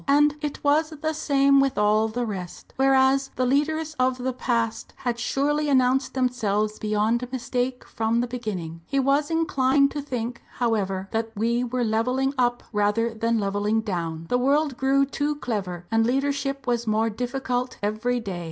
And it was the same with all the rest. Whereas the leaders of the past had surely announced themselves beyond mistake from the beginning. He was inclined to think, however, that we were levelling up rather than levelling down. The world grew too clever, and leadership was more difficult every day.